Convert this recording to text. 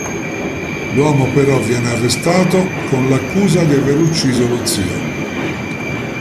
L'uomo però viene arrestato con l'accusa di aver ucciso lo zio.